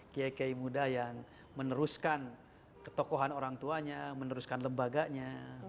kiai kiai muda yang meneruskan ketokohan orang tuanya meneruskan lembaganya